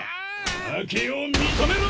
負けを認めろ！